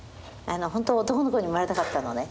本当は男の子に生まれたかったのね。